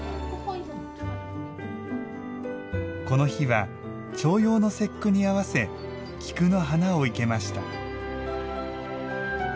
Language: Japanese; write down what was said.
この日は、重陽の節句にあわせ菊の花を生けました。